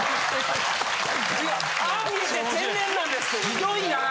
ひどいなぁ！